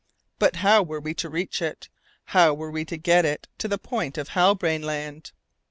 But how were we to reach it? how were we to get it in to the point of Halbrane Land?